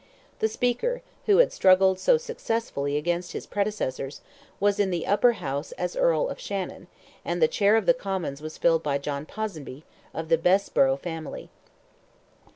The Speaker, who had struggled so successfully against his predecessors, was in the Upper House as Earl of Shannon, and the chair of the Commons was filled by John Ponsonby, of the Bessborough family.